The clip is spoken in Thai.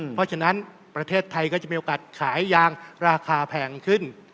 เพราะฉะนั้นประเทศไทยก็จะมีโอกาสขายยางราคาแพงขึ้น